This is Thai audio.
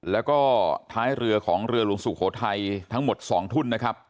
แล้วก็ท้ายเรือของเรือหลวงสุโขทัยทั้งหมด๒ทุ่นนะครับ